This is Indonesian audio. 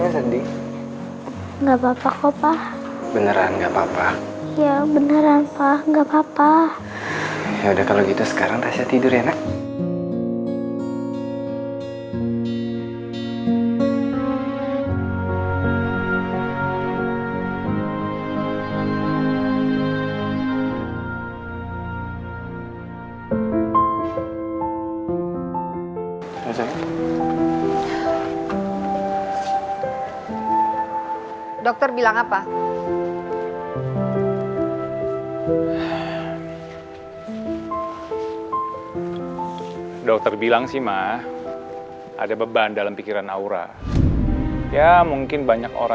sampai jumpa di video selanjutnya